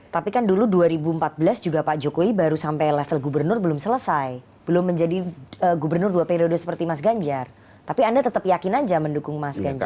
tapi kan dulu dua ribu empat belas juga pak jokowi baru sampai level gubernur belum selesai belum menjadi gubernur dua periode seperti mas ganjar tapi anda tetap yakin aja mendukung mas ganjar